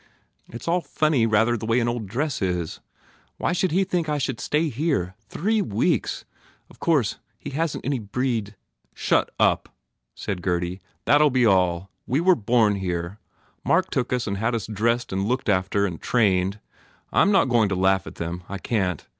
"It s all funny rather the way an old dress is! Why should he think I could stay here? Three weeks ! Of course, he hasn t any breed " "Shut up," said Gurdy, "That ll be all! We were born here. Mark took us and had us dressed and looked after trained. I m not go ing to laugh at them. I can t.